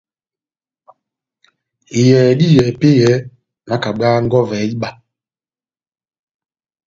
Iyɛhɛ dá iyɛhɛ epɛ́yɛ, nakabwaha nkɔvɛ iba.